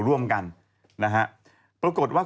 ร่วมกันนะครับปรากฎว่า